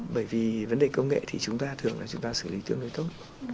bởi vì vấn đề công nghệ thì chúng ta thường là chúng ta xử lý tương đối tốt